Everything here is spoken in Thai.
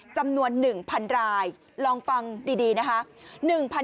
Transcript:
จำนวน๑๐๐๐รายลองฟังดีนะคะ